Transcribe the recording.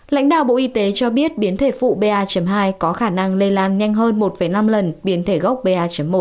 lãnh đạo bộ y tế cho biết biến thể phụ ba hai có khả năng lây lan nhanh hơn một năm lần biến thể gốc ba một